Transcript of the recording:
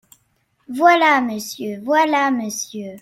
Voilà, monsieur ! voilà, monsieur !…